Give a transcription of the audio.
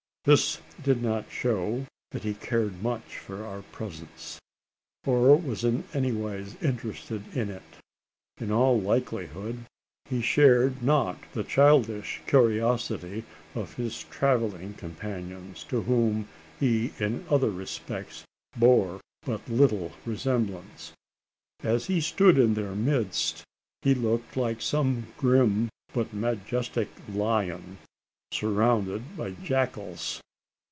This did not shew that he cared much for our presence, or was in anywise interested in it. In all likelihood, he shared not the childish curiosity of his travelling companions to whom he in other respects bore but little resemblance. As he stood in their midst, he looked like some grim but majestic lion, surrounded by jackals.